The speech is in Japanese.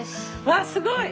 わっすごい！